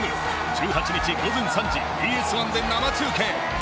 １８日午前３時ＢＳ１で生中継。